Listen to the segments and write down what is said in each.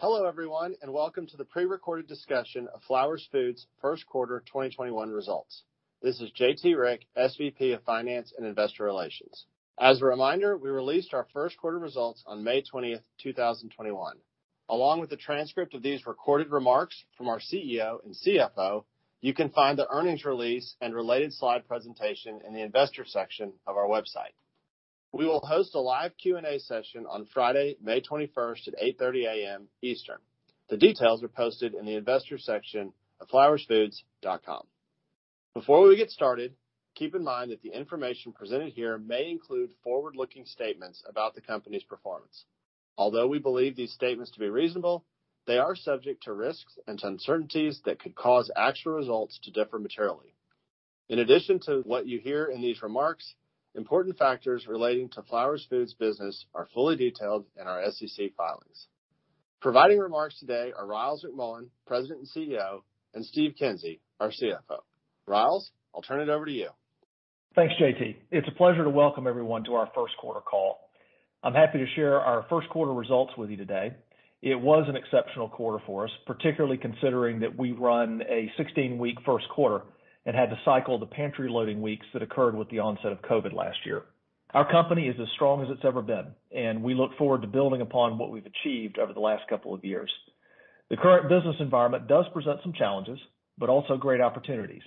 Hello everyone, welcome to the pre-recorded discussion of Flowers Foods first quarter 2021 results. This is J.T. Rieck, SVP of Finance and Investor Relations. As a reminder, we released our first quarter results on May 20th, 2021. Along with the transcript of these recorded remarks from our CEO and CFO, you can find the earnings release and related slide presentation in the investor section of our website. We will host a live Q&A session on Friday, May 21st at 8:30 A.M. Eastern. The details are posted in the investor section of flowersfoods.com. Before we get started, keep in mind that the information presented here may include forward-looking statements about the company's performance. Although we believe these statements to be reasonable, they are subject to risks and uncertainties that could cause actual results to differ materially. In addition to what you hear in these remarks, important factors relating to Flowers Foods business are fully detailed in our SEC filings. Providing remarks today are Ryals McMullian, President and CEO, and Steve Kinsey, our CFO. Ryals, I'll turn it over to you. Thanks, J.T. It's a pleasure to welcome everyone to our first quarter call. I'm happy to share our first quarter results with you today. It was an exceptional quarter for us, particularly considering that we run a 16-week first quarter and had to cycle the pantry loading weeks that occurred with the onset of COVID last year. Our company is as strong as it's ever been. We look forward to building upon what we've achieved over the last couple of years. The current business environment does present some challenges, but also great opportunities.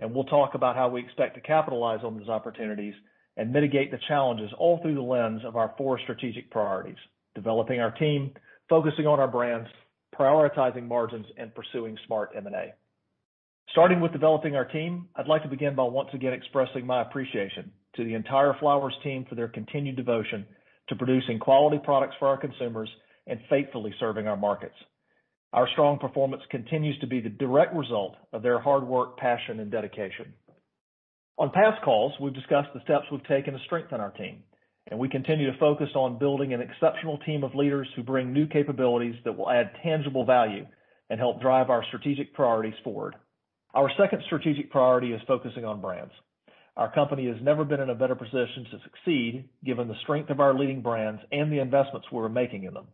We'll talk about how we expect to capitalize on those opportunities and mitigate the challenges all through the lens of our four strategic priorities, developing our team, focusing on our brands, prioritizing margins, and pursuing smart M&A. Starting with developing our team, I'd like to begin by once again expressing my appreciation to the entire Flowers team for their continued devotion to producing quality products for our consumers and faithfully serving our markets. Our strong performance continues to be the direct result of their hard work, passion, and dedication. On past calls, we've discussed the steps we've taken to strengthen our team, and we continue to focus on building an exceptional team of leaders who bring new capabilities that will add tangible value and help drive our strategic priorities forward. Our second strategic priority is focusing on brands. Our company has never been in a better position to succeed given the strength of our leading brands and the investments we're making in them.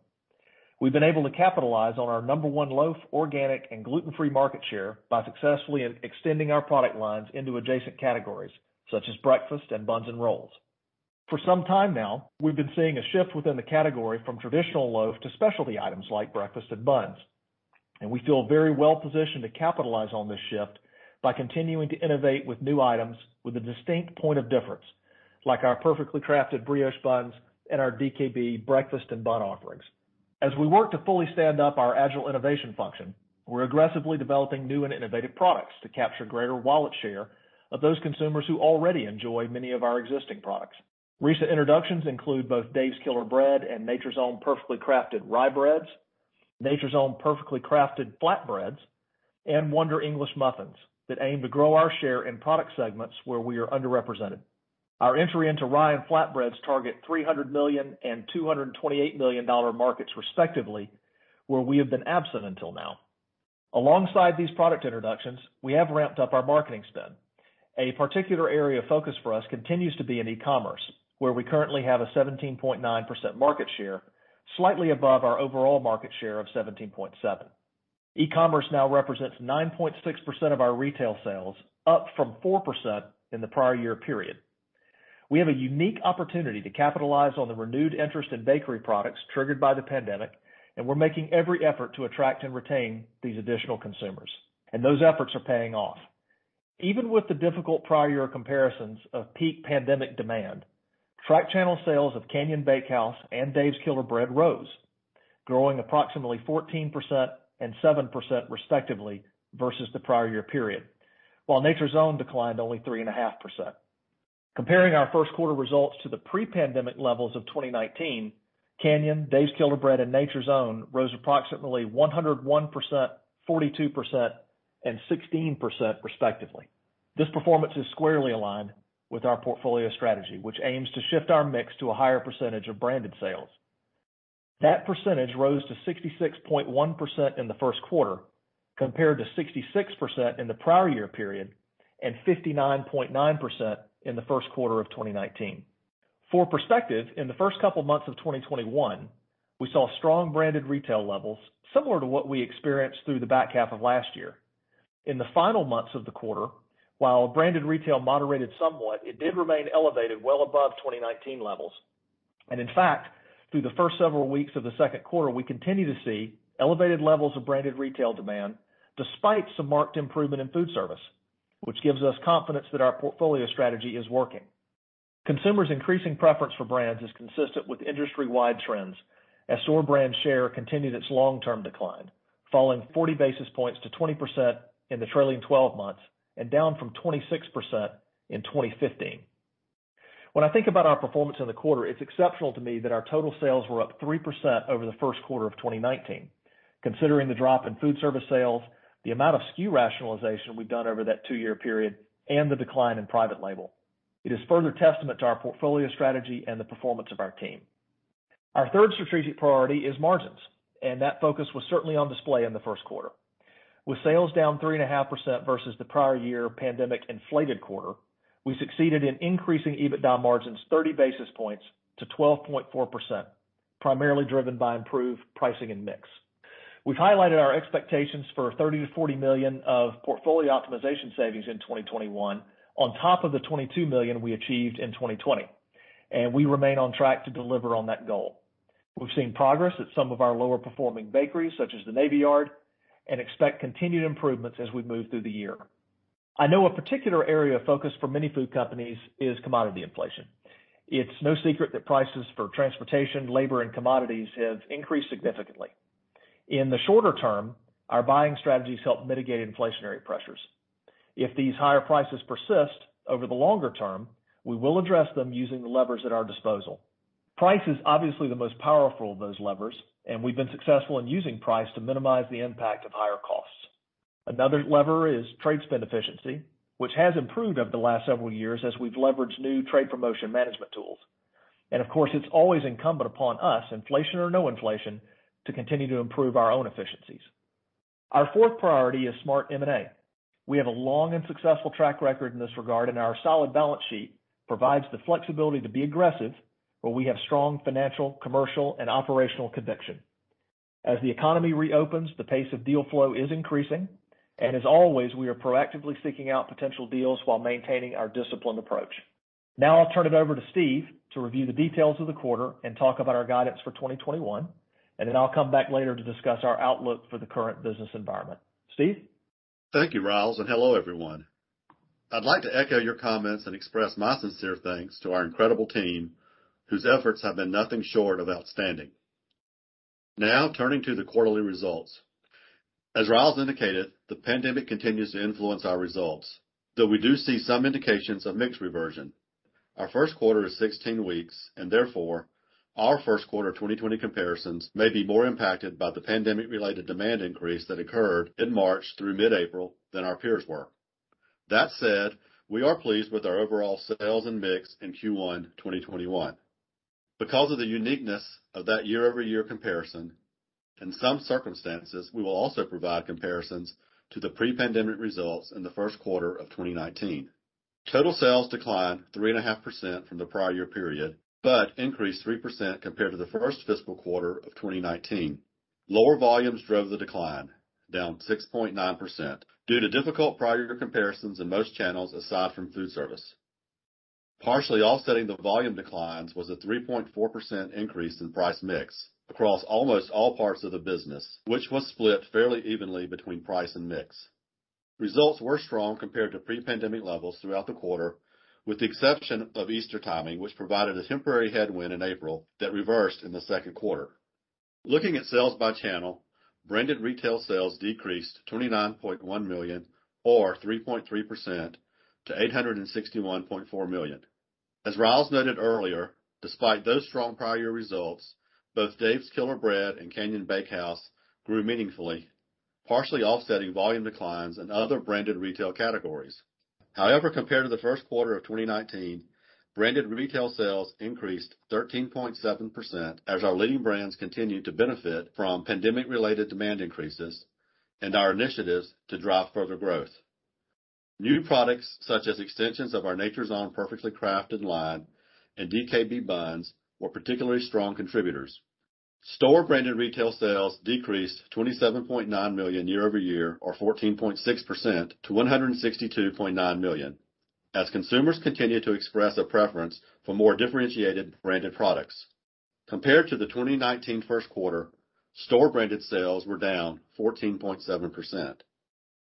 We've been able to capitalize on our number-one loaf, organic and gluten-free market share by successfully extending our product lines into adjacent categories such as breakfast and buns and rolls. For some time now, we've been seeing a shift within the category from traditional loaf to specialty items like breakfast and buns, and we feel very well positioned to capitalize on this shift by continuing to innovate with new items with a distinct point of difference, like our Perfectly Crafted brioche buns and our DKB breakfast and bun offerings. As we work to fully stand up our agile innovation function, we're aggressively developing new and innovative products to capture greater wallet share of those consumers who already enjoy many of our existing products. Recent introductions include both Dave's Killer Bread and Nature's Own Perfectly Crafted rye breads, Nature's Own Perfectly Crafted flatbreads, and Wonder English muffins that aim to grow our share in product segments where we are underrepresented. Our entry into rye and flatbreads target $300 million and $228 million markets respectively, where we have been absent until now. Alongside these product introductions, we have ramped up our marketing spend. A particular area of focus for us continues to be in e-commerce, where we currently have a 17.9% market share, slightly above our overall market share of 17.7%. E-commerce now represents 9.6% of our retail sales, up from 4% in the prior-year period. We have a unique opportunity to capitalize on the renewed interest in bakery products triggered by the pandemic, and we're making every effort to attract and retain these additional consumers, and those efforts are paying off. Even with the difficult prior-year comparisons of peak pandemic demand, tracked channel sales of Canyon Bakehouse and Dave's Killer Bread rose, growing approximately 14% and 7% respectively versus the prior-year period, while Nature's Own declined only 3.5%. Comparing our first quarter results to the pre-pandemic levels of 2019, Canyon, Dave's Killer Bread, and Nature's Own rose approximately 101%, 42%, and 16% respectively. This performance is squarely aligned with our portfolio strategy, which aims to shift our mix to a higher percentage of branded sales. That percentage rose to 66.1% in the first quarter, compared to 66% in the prior-year period and 59.9% in the first quarter of 2019. For perspective, in the first couple of months of 2021, we saw strong branded retail levels similar to what we experienced through the back half of last year. In the final months of the quarter, while branded retail moderated somewhat, it did remain elevated well above 2019 levels. In fact, through the first several weeks of the second quarter, we continue to see elevated levels of branded retail demand despite some marked improvement in foodservice, which gives us confidence that our portfolio strategy is working. Consumers' increasing preference for brands is consistent with industry-wide trends as store-brand share continued its long-term decline, falling 40 basis points to 20% in the trailing 12 months and down from 26% in 2015. When I think about our performance in the quarter, it's exceptional to me that our total sales were up 3% over the first quarter of 2019, considering the drop in foodservice sales, the amount of SKU rationalization we've done over that two-year period, and the decline in private label. It is further testament to our portfolio strategy and the performance of our team. Our third strategic priority is margins. That focus was certainly on display in the first quarter. With sales down 3.5% versus the prior-year pandemic-inflated quarter, we succeeded in increasing EBITDA margins 30 basis points to 12.4%, primarily driven by improved pricing and mix. We've highlighted our expectations for $30 million-$40 million of portfolio optimization savings in 2021, on top of the $22 million we achieved in 2020, and we remain on track to deliver on that goal. We've seen progress at some of our lower-performing bakeries, such as the Navy Yard, and expect continued improvements as we move through the year. I know a particular area of focus for many food companies is commodity inflation. It's no secret that prices for transportation, labor, and commodities have increased significantly. In the shorter term, our buying strategies help mitigate inflationary pressures. If these higher prices persist over the longer term, we will address them using the levers at our disposal. Price is obviously the most powerful of those levers. We've been successful in using price to minimize the impact of higher costs. Another lever is trade spend efficiency, which has improved over the last several years as we've leveraged new trade promotion management tools. Of course, it's always incumbent upon us, inflation or no inflation, to continue to improve our own efficiencies. Our fourth priority is smart M&A. We have a long and successful track record in this regard. Our solid balance sheet provides the flexibility to be aggressive where we have strong financial, commercial, and operational conviction. As the economy reopens, the pace of deal flow is increasing, as always, we are proactively seeking out potential deals while maintaining our disciplined approach. Now I'll turn it over to Steve to review the details of the quarter and talk about our guidance for 2021, then I'll come back later to discuss our outlook for the current business environment. Steve? Thank you, Ryals, hello, everyone. I'd like to echo your comments and express my sincere thanks to our incredible team, whose efforts have been nothing short of outstanding. Turning to the quarterly results. As Ryals indicated, the pandemic continues to influence our results, though we do see some indications of mix reversion. Our first quarter is 16 weeks. Therefore, our first quarter 2020 comparisons may be more impacted by the pandemic-related demand increase that occurred in March through mid-April than our peers were. That said, we are pleased with our overall sales and mix in Q1 2021. Because of the uniqueness of that year-over-year comparison, in some circumstances, we will also provide comparisons to the pre-pandemic results in the first quarter of 2019. Total sales declined 3.5% from the prior-year period. Increased 3% compared to the first fiscal quarter of 2019. Lower volumes drove the decline, down 6.9%, due to difficult prior-year comparisons in most channels aside from foodservice. Partially offsetting the volume declines was a 3.4% increase in price mix across almost all parts of the business, which was split fairly evenly between price and mix. Results were strong compared to pre-pandemic levels throughout the quarter, with the exception of Easter timing, which provided a temporary headwind in April that reversed in the second quarter. Looking at sales by channel, branded retail sales decreased to $29.1 million or 3.3% to $861.4 million. As Ryals noted earlier, despite those strong prior-year results, both Dave's Killer Bread and Canyon Bakehouse grew meaningfully, partially offsetting volume declines in other branded retail categories. Compared to the first quarter of 2019, branded retail sales increased 13.7% as our leading brands continued to benefit from pandemic-related demand increases and our initiatives to drive further growth. New products such as extensions of our Nature's Own Perfectly Crafted line and DKB buns were particularly strong contributors. Store-branded retail sales decreased to $27.9 million year-over-year or 14.6% to $162.9 million as consumers continued to express a preference for more differentiated branded products. Compared to the 2019 first quarter, Store-branded sales were down 14.7%.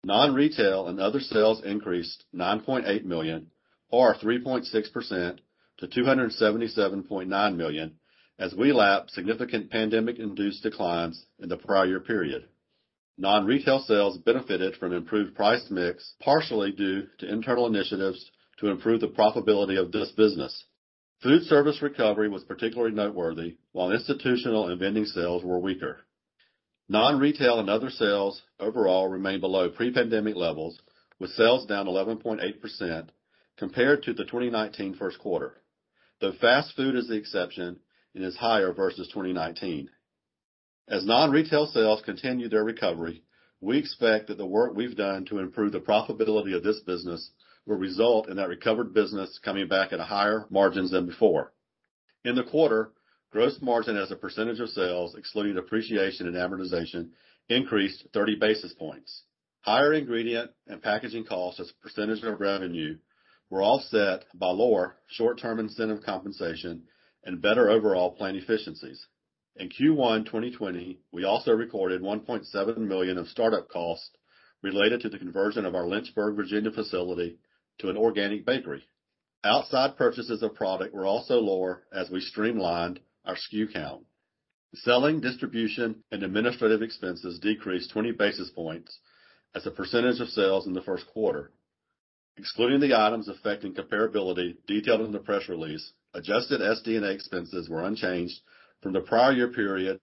Non-retail and other sales increased to $9.8 million or 3.6% to $277.9 million as we lapped significant pandemic-induced declines in the prior-year period. Non-retail sales benefited from improved price mix, partially due to internal initiatives to improve the profitability of this business. Foodservice recovery was particularly noteworthy while institutional and vending sales were weaker. Non-retail and other sales overall remain below pre-pandemic levels with sales down 11.8% compared to the 2019 first quarter, though fast food is the exception and is higher versus 2019. As non-retail sales continue their recovery, we expect that the work we've done to improve the profitability of this business will result in that recovered business coming back at higher margins than before. In the quarter, gross margin as a percentage of sales, excluding depreciation and amortization, increased 30 basis points. Higher ingredient and packaging costs as a percentage of revenue were offset by lower short-term incentive compensation and better overall plant efficiencies. In Q1 2020, we also recorded $1.7 million in startup costs related to the conversion of our Lynchburg, Virginia facility to an organic bakery. Outside purchases of product were also lower as we streamlined our SKU count. Selling, distribution, and administrative expenses decreased 20 basis points as a percentage of sales in the first quarter. Excluding the items affecting comparability detailed in the press release, adjusted SD&A expenses were unchanged from the prior-year period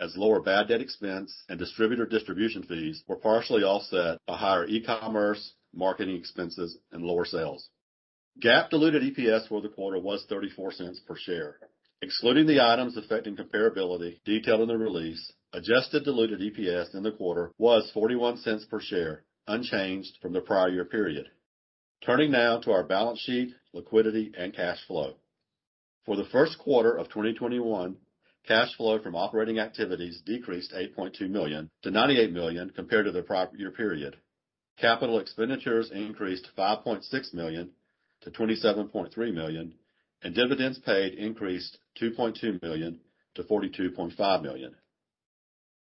as lower bad debt expense and distributor distribution fees were partially offset by higher e-commerce, marketing expenses, and lower sales. GAAP diluted EPS for the quarter was $0.34 per share. Excluding the items affecting comparability detailed in the release, adjusted diluted EPS in the quarter was $0.41 per share, unchanged from the prior-year period. Turning now to our balance sheet, liquidity, and cash flow. For the first quarter of 2021, cash flow from operating activities decreased $8.2 million-$98 million compared to the prior-year period. Capital expenditures increased $5.6 million-$27.3 million, and dividends paid increased $2.2 million-$42.5 million.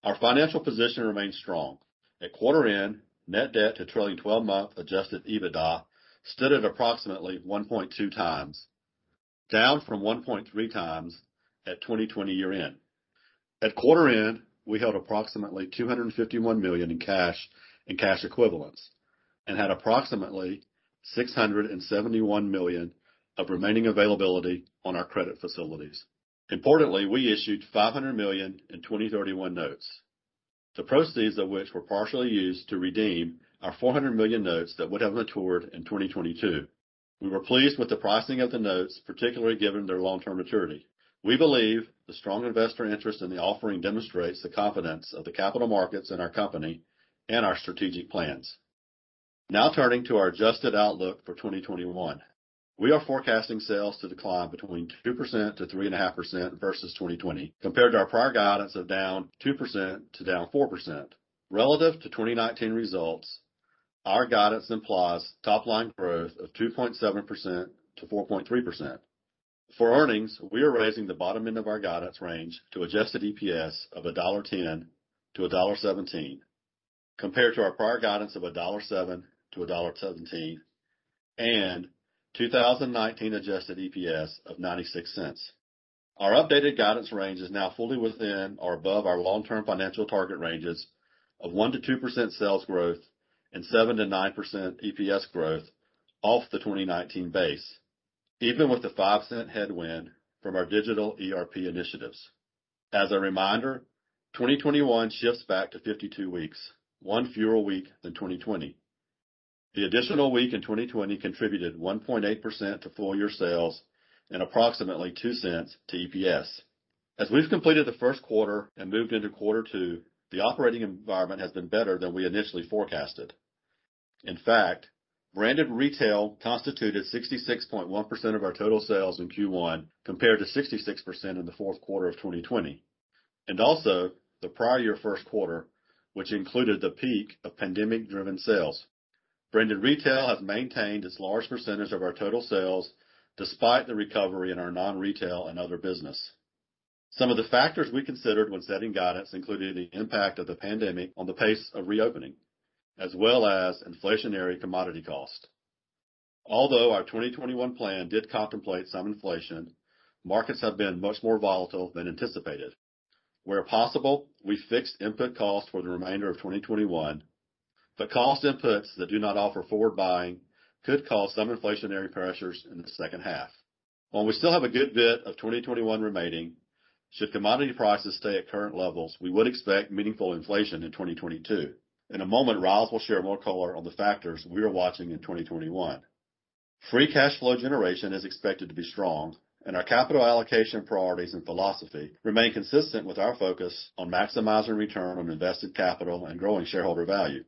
Our financial position remains strong. At quarter end, net debt to trailing 12-month adjusted EBITDA stood at approximately 1.2x, down from 1.3x at 2020 year end. At quarter end, we held approximately $251 million in cash and cash equivalents and had approximately $671 million of remaining availability on our credit facilities. Importantly, we issued $500 million in 2031 notes, the proceeds of which were partially used to redeem our $400 million notes that would have matured in 2022. We were pleased with the pricing of the notes, particularly given their long-term maturity. We believe the strong investor interest in the offering demonstrates the confidence of the capital markets in our company and our strategic plans. Turning to our adjusted outlook for 2021. We are forecasting sales to decline between 2%-3.5% versus 2020, compared to our prior guidance of down 2%-4%. Relative to 2019 results, our guidance implies top line growth of 2.7%-4.3%. For earnings, we are raising the bottom end of our guidance range to adjusted EPS of $1.10-$1.17, compared to our prior guidance of $1.07-$1.17 and 2019 adjusted EPS of $0.96. Our updated guidance range is now fully within or above our long-term financial target ranges of 1%-2% sales growth and 7%-9% EPS growth off the 2019 base, even with the $0.05 headwind from our digital ERP initiatives. As a reminder, 2021 shifts back to 52 weeks, one fewer week than 2020. The additional week in 2020 contributed 1.8% to full year sales and approximately $0.02 to EPS. As we've completed the first quarter and moved into quarter two, the operating environment has been better than we initially forecasted. In fact, branded retail constituted 66.1% of our total sales in Q1, compared to 66% in the fourth quarter of 2020, and also the prior-year first quarter, which included the peak of pandemic driven sales. Branded retail has maintained its large percentage of our total sales despite the recovery in our non-retail and other business. Some of the factors we considered when setting guidance included the impact of the pandemic on the pace of reopening, as well as inflationary commodity cost. Although our 2021 plan did contemplate some inflation, markets have been much more volatile than anticipated. Where possible, we fixed input costs for the remainder of 2021, but cost inputs that do not offer forward buying could cause some inflationary pressures in the second half. While we still have a good bit of 2021 remaining, should commodity prices stay at current levels, we would expect meaningful inflation in 2022. In a moment, Ryals will share more color on the factors we are watching in 2021. Free cash flow generation is expected to be strong, and our capital allocation priorities and philosophy remain consistent with our focus on maximizing return on invested capital and growing shareholder value.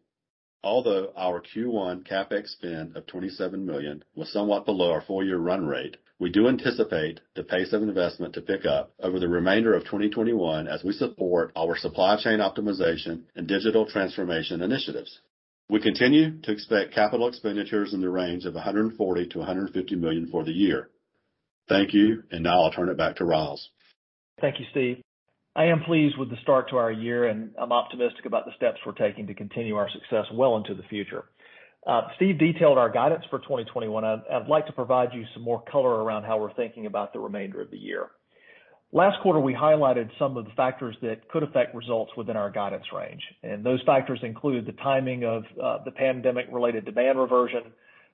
Although our Q1 CapEx spend of $27 million was somewhat below our full year run rate, we do anticipate the pace of investment to pick up over the remainder of 2021 as we support our supply chain optimization and digital transformation initiatives. We continue to expect capital expenditures in the range of $140 million-$150 million for the year. Thank you, and now I'll turn it back to Ryals. Thank you, Steve. I am pleased with the start to our year, and I'm optimistic about the steps we're taking to continue our success well into the future. Steve detailed our guidance for 2021. I'd like to provide you some more color around how we're thinking about the remainder of the year. Last quarter, we highlighted some of the factors that could affect results within our guidance range, and those factors include the timing of the pandemic related demand reversion,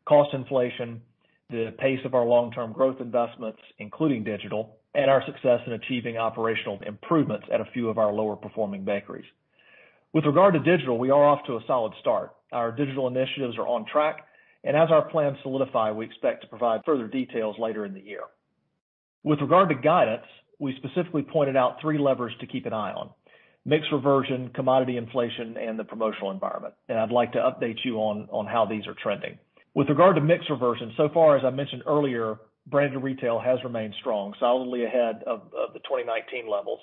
cost inflation, the pace of our long-term growth investments, including digital, and our success in achieving operational improvements at a few of our lower performing bakeries. With regard to digital, we are off to a solid start. Our digital initiatives are on track, and as our plans solidify, we expect to provide further details later in the year. With regard to guidance, we specifically pointed out three levers to keep an eye on, mix reversion, commodity inflation, and the promotional environment. I'd like to update you on how these are trending. With regard to mix reversion, so far as I mentioned earlier, branded retail has remained strong, solidly ahead of the 2019 levels,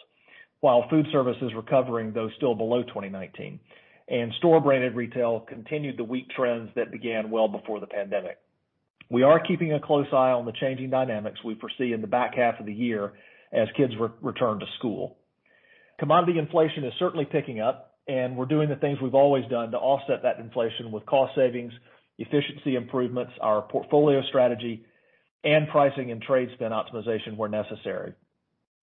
while foodservice is recovering, though still below 2019. Store-branded retail continued the weak trends that began well before the pandemic. We are keeping a close eye on the changing dynamics we foresee in the back half of the year as kids return to school. Commodity inflation is certainly picking up, and we're doing the things we've always done to offset that inflation with cost savings, efficiency improvements, our portfolio strategy, and pricing and trade spend optimization where necessary.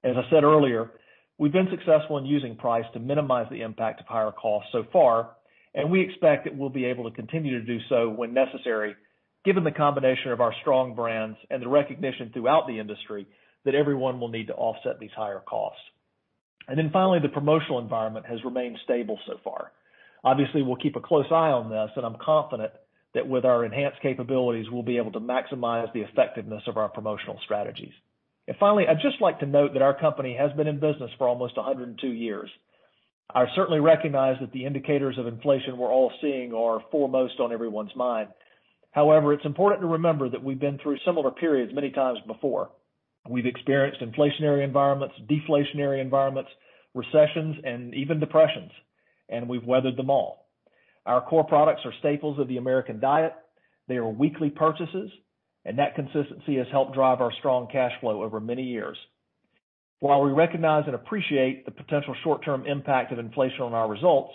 As I said earlier, we've been successful in using price to minimize the impact of higher costs so far, and we expect that we'll be able to continue to do so when necessary, given the combination of our strong brands and the recognition throughout the industry that everyone will need to offset these higher costs. Finally, the promotional environment has remained stable so far. Obviously, we'll keep a close eye on this, and I'm confident that with our enhanced capabilities, we'll be able to maximize the effectiveness of our promotional strategies. Finally, I'd just like to note that our company has been in business for almost 102 years. I certainly recognize that the indicators of inflation we're all seeing are foremost on everyone's mind. However, it's important to remember that we've been through similar periods many times before. We've experienced inflationary environments, deflationary environments, recessions, and even depressions, and we've weathered them all. Our core products are staples of the American diet. They are weekly purchases, and that consistency has helped drive our strong cash flow over many years. While we recognize and appreciate the potential short-term impact of inflation on our results,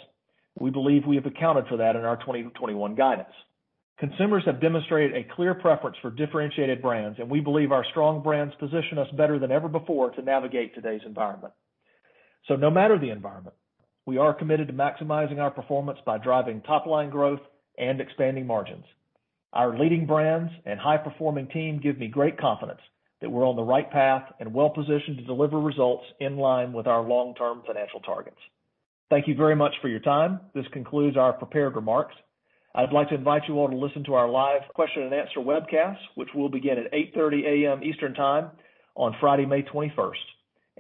we believe we have accounted for that in our 2021 guidance. Consumers have demonstrated a clear preference for differentiated brands, and we believe our strong brands position us better than ever before to navigate today's environment. No matter the environment, we are committed to maximizing our performance by driving top line growth and expanding margins. Our leading brands and high performing team give me great confidence that we're on the right path and well positioned to deliver results in line with our long-term financial targets. Thank you very much for your time. This concludes our prepared remarks. I'd like to invite you all to listen to our live question and answer webcast, which will begin at 8:30 A.M. Eastern Time on Friday, May 21st,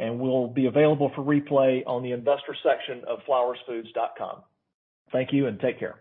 and will be available for replay on the investor section of flowersfoods.com. Thank you and take care.